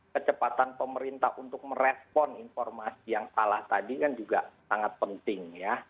kecepatan pemerintah untuk merespon informasi yang salah tadi kan juga sangat penting ya